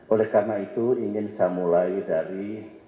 oleh karena itu ingin saya mulai dari